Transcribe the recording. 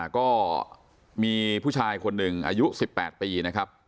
ก็มีผู้ชายคนหนึ่งอายุ๑๘ปีนะครับ